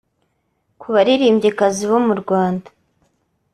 Ku baririmbyikazi bo mu Rwanda